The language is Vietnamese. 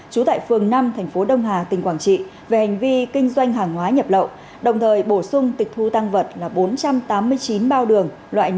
trú tại phường năm thành phố đông hà tỉnh quảng trị về hành vi kinh doanh hàng hóa nhập lậu đồng thời bổ sung tịch thu tăng vật là bốn trăm tám mươi chín bao đường loại